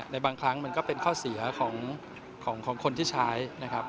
ในบางครั้งมันก็เป็นข้อเสียของคนที่ใช้